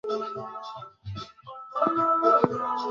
Mtaalamu wa ufundi aliporejea aliitupia ile simu mezani